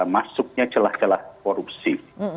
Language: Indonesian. masuknya celah celah korupsi